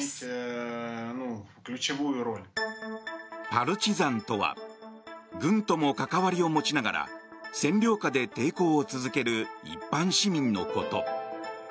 パルチザンとは軍とも関わりを持ちながら占領下で抵抗を続ける一般市民のこと。